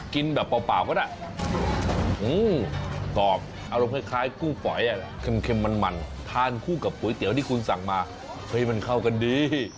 กินแบบเปล่าก็ได้